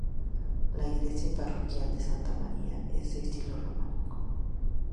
La iglesia parroquial de Santa María es de estilo románico.